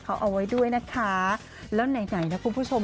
เขาเอาไว้ด้วยนะคะแล้วไหนไหนนะคุณผู้ชม